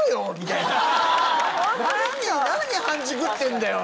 なんだ、何、半熟ってんだよ。